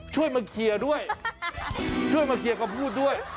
ช่วยมาเคลียร์ด้วยช่วยมาเคลียร์คำพูดด้วย